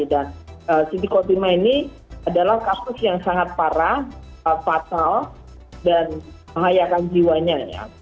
dan siti kotima ini adalah kasus yang sangat parah fatal dan menghayakan jiwanya